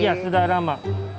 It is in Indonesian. ya sudah lama